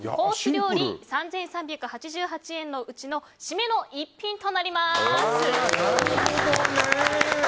料理３３８８円のうちの締めの一品となります。